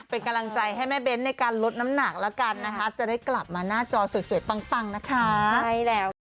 เป็นกำลังใจให้แม่เบ้นในการลดน้ำหนักแล้วกันนะคะจะได้กลับมาหน้าจอสวยปังนะคะ